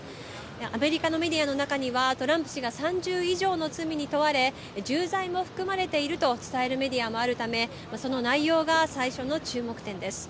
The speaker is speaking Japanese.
アメリカのメディアの中には、トランプ氏が３０以上の罪に問われ、重罪も含まれていると伝えるメディアもあるため、その内容が最初の注目点です。